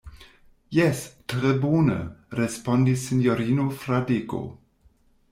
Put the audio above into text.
Jes, tre bone, respondis sinjorino Fradeko.